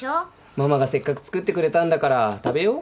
ママがせっかく作ってくれたんだから食べよう？